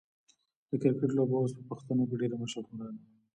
د کرکټ لوبه اوس په پښتنو کې ډیره مشهوره ده.